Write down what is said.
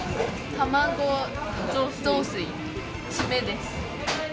卵雑炊、締めです。